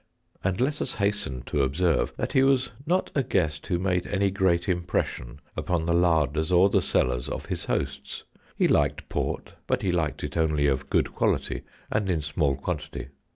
And let us hasten to observe that he was not a guest who made any great impression upon the larders or the cellars of his hosts. He liked port, but he liked it only of good quality, and in small quantity.